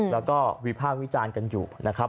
แล้วก็วิพากษ์วิจารณ์กันอยู่นะครับ